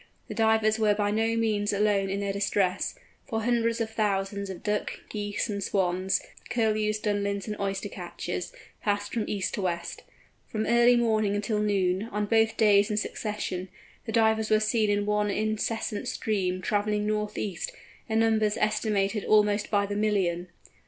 The Divers were by no means alone in their distress, for hundreds of thousands of Ducks, Geese, and Swans, Curlews, Dunlins, and Oyster catchers, passed from east to west. From early morning until noon, on both days in succession, the Divers were seen in one incessant stream, travelling north east, in numbers estimated almost by the million!